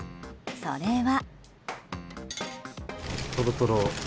それは。